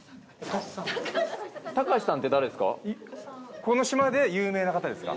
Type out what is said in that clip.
たかしさんって誰ですか？